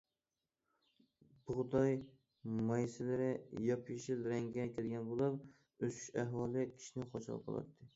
بۇغداي مايسىلىرى ياپيېشىل رەڭگە كىرگەن بولۇپ، ئۆسۈش ئەھۋالى كىشىنى خۇشال قىلاتتى.